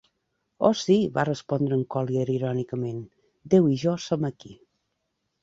"Oh sí", va respondre en Collyer, irònicament, "Déu i jo som aquí".